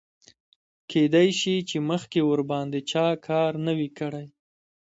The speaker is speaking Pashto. کیدای شي چې مخکې ورباندې چا کار نه وي کړی.